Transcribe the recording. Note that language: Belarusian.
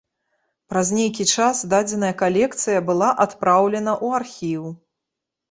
Праз нейкі час дадзеная калекцыя была адпраўлена ў архіў.